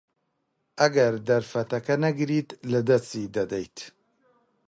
ئەگەر دەرفەتەکە نەگریت، لەدەستی دەدەیت.